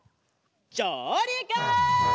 じょうりく！